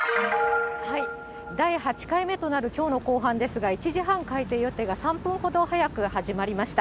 第８回目となるきょうの公判ですが、１時半開廷予定が、３分ほど早く始まりました。